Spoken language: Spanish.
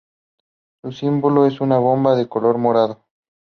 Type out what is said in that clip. Su símbolo es una bomba de color morado.